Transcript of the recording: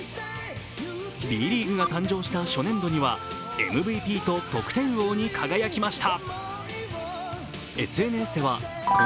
Ｂリーグが誕生した初年度にはＭＶＰと得点王に輝きました。